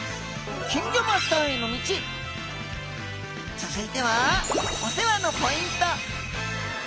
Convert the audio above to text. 続いてはお世話のポイント。